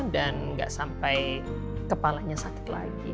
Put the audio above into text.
dan nggak sampai kepalanya sakit lagi